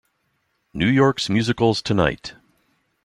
New York's Musicals Tonight!